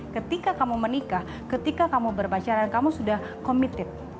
ketika kamu menikah ketika kamu berpacaran kamu sudah committed